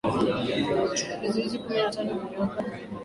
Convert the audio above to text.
vizuizi kumi na tano viliwapa udanganyifu wa kutozama